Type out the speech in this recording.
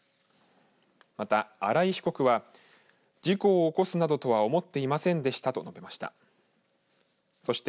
また、荒井被告は事故を起こすなどとは思っていませんでしたと述べました。